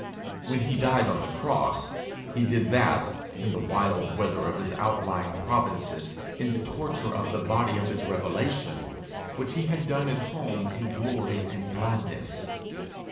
When he died on the cross, he did that, in the wild weather of his outlying provinces in the torture of the body of his revelation, which he had done at home in glory and gladness.